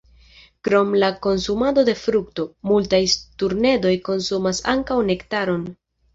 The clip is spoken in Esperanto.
Krom la konsumado de frukto, multaj sturnedoj konsumas ankaŭ nektaron.